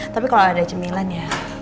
tapi kalau ada cemilan ya